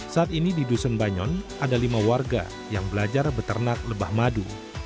saat ini di dusun banyon ada lima warga yang belajar beternak lebah madu